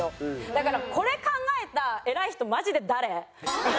だからこれ考えた偉い人マジで誰？